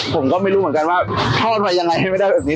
ผมก็ไม่รู้เหมือนกันว่าทอดมายังไงไม่ได้แบบนี้